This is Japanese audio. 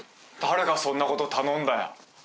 誰がそんなこと頼んだよ？